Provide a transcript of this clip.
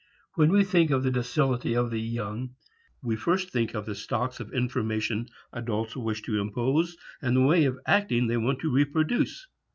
When we think of the docility of the young we first think of the stocks of information adults wish to impose and the ways of acting they want to reproduce.